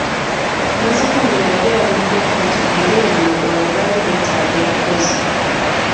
Bazibumbira yali awuliddeko nti ku muliraano gwabwe baali beetaaga omukozi.